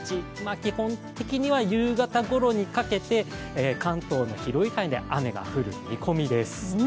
基本的には夕方ごろにかけて関東の広い範囲で雨が降る見込みです。